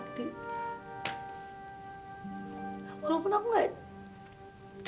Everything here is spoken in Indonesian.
kak aku terpaksa pilih untuk bersama dengan sakti